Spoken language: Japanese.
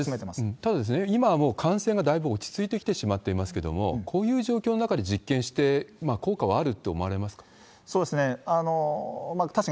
ただ、今、もう感染がだいぶ落ち着いてきてしまっていますけれども、こういう状況の中で実験して、効果はあると思われますか？